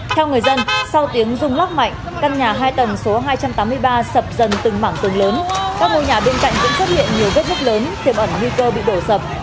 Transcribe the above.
theo người dân sau tiếng rung lắc mạnh căn nhà hai tầng số hai trăm tám mươi ba sập dần từng mảng tường lớn các ngôi nhà bên cạnh cũng xuất hiện nhiều vết nứt lớn tiềm ẩn nguy cơ bị đổ sập